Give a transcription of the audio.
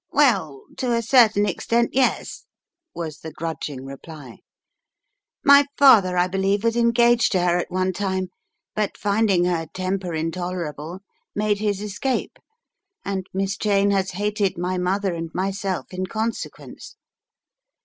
"Well, to a certain extent, yes," was the grudging reply. "My father, I believe, was engaged to her at one time, but finding her temper intolerable, made his escape, and Miss Cheyne has hated my mother and myself in consequence.